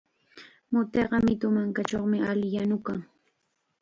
Mutiqa mitu mankachawmi alli yanukan.